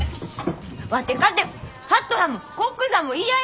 ワテかてハットはんもコックさんも嫌やわ！